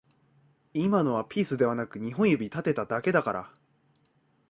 今のはピースではなく二本指立てただけだから